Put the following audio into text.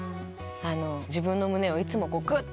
自分の胸をいつもぐっと。